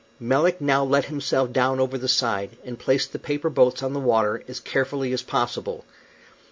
Melick now let himself down over the side, and placed the paper boats on the water as carefully as possible.